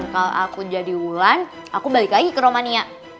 kalau aku jadi wulan aku balik lagi ke romania